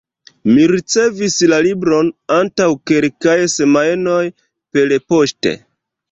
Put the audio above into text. Mi ricevis la libron antaŭ kelkaj semajnoj perpoŝte.